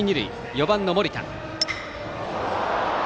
４番の森田。